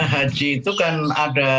haji itu kan ada